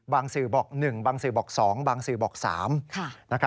สื่อบอก๑บางสื่อบอก๒บางสื่อบอก๓